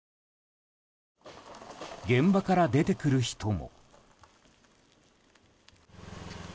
現場から出てくる人も。